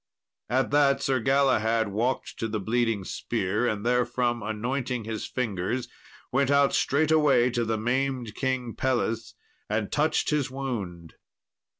At that Sir Galahad walked to the bleeding spear, and therefrom anointing his fingers went out straightway to the maimed King Pelles, and touched his wound.